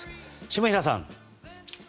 下平さん。